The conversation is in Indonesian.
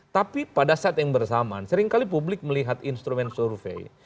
tapi pada saat yang bersamaan seringkali publik melihat instrumen survei